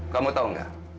kamu tahu nggak